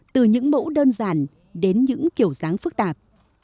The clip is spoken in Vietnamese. từ những mẫu đơn giản đến những kiểu dáng phức tạp